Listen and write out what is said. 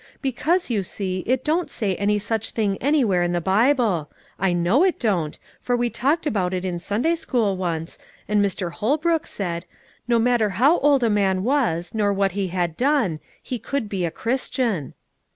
Because, you see, it don't say any such thing anywhere in the Bible; I know it don't, for we talked about it in Sunday school once, and Mr. Holbrook said, 'No matter how old a man was, nor what he had done, he could be a Christian.'"